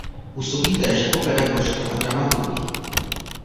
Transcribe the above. Působí též jako pedagožka a dramaturgyně.